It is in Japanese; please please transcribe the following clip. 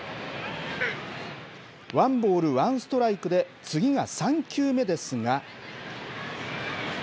ワンボールワンストライクで、次が３球目ですが。